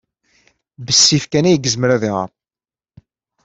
Bessif kan ay yezmer ad iɣer.